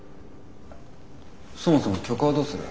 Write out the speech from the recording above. そもそも曲はどうする？